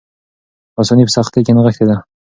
آساني په سختۍ کې نغښتې ده.